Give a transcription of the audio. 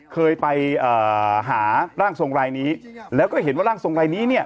เคยไปหาร่างทรงรายนี้แล้วก็เห็นว่าร่างทรงรายนี้เนี่ย